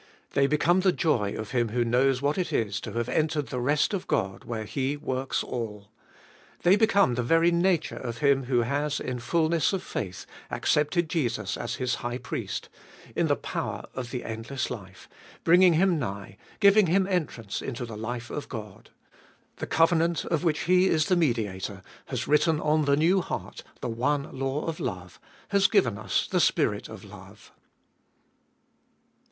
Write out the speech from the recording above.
They become the joy of him who knows what it is to have entered the rest of God, where He works all. They become the very nature of Him who has, in fulness of faith, accepted Jesus as His High Priest, in the power of the endless life, bringing him nigh, giving him entrance into the life of God. The covenant, of which He is the Mediator, has written on the new heart the one law of love, has given us the spirit of love.